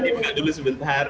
dipakai dulu sebentar